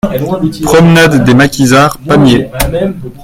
Promenade des Maquisards, Pamiers